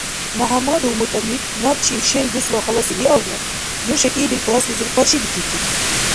МяхӀяммадов МутӀалип набчив шел дусла халал виалра, нуша кӀиибил класслизир къаршидикибтири.